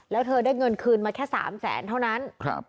แล้วเธอได้เงินคืนมาแค่๓แสนเท่านั้น